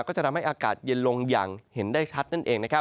ก็จะทำให้อากาศเย็นลงอย่างเห็นได้ชัดนั่นเอง